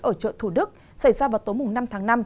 ở chợ thủ đức xảy ra vào tối năm tháng năm